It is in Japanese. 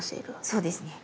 そうですね。